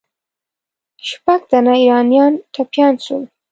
شپږ تنه ایرانیان ټپیان سول.